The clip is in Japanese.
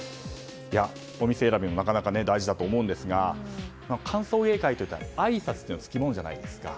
お店選びもなかなか大事だと思うんですが歓送迎会といったら、あいさつが付き物じゃないですか。